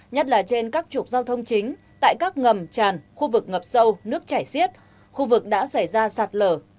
nhất là trên các trục giao thông chính tại các ngầm tràn khu vực ngập sâu nước chảy xiết khu vực đã xảy ra sạt lở